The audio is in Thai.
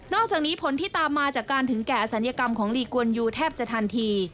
อกจากนี้ผลที่ตามมาจากการถึงแก่อศัลยกรรมของลีกวนยูแทบจะทันที